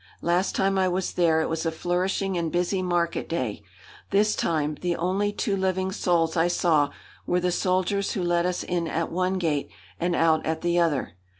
Last time I was there it was a flourishing and busy market day. This time the only two living souls I saw were the soldiers who let us in at one gate and out at the other.